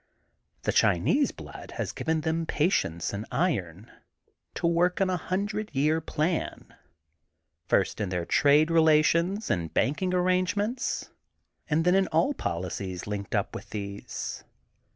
The Chinese blood has given them patience and iron, to work on a hundred year plan, first in their trade relations and banking arrange ments, and then in all policies linked up with these.